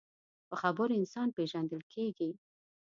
په خبرو انسان پیژندل کېږي